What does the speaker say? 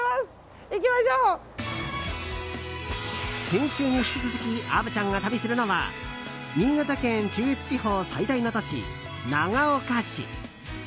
先週に引き続き虻ちゃんが旅するのは新潟県中越地方最大の都市、長岡市。